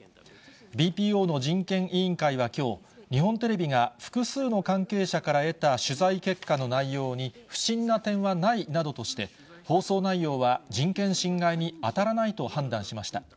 ＢＰＯの人権委員会はきょう、日本テレビが複数の関係者から得た取材結果の内容に不審な点はないなどとして、放送内容は人権侵害に当たらないと判断しました。